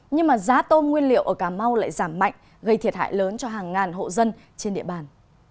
nhưng mà giá tôm nguyên liệu ở cà mau lại giảm mạnh gây thiệt hại lớn cho hàng ngàn hộ dân trên địa bàn